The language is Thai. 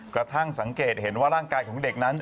กระทั่งสังเกตเห็นว่าร่างกายของเด็กนั้น